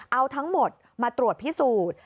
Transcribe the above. เอาทั้งหมดมาตรวจพิสูจน์